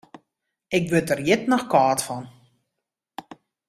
Ik wurd der hjit noch kâld fan.